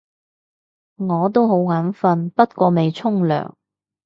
我都好眼瞓，不過未沖涼